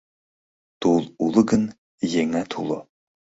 — Тул уло гын, еҥат уло.